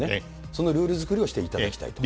そのルール作りをしていただきたいと。